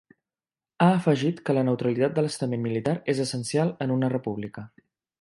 Ha afegit que la neutralitat de l’estament militar és essencial en una república.